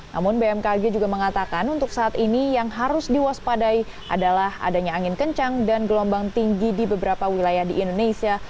namun bmkg juga mengatakan untuk saat ini yang harus diwaspadai adalah adanya angin kencang dan gelombang tinggi di beberapa wilayah di indonesia